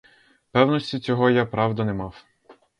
Певності цього я, правда, не мав.